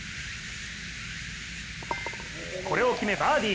これを決めバーディー。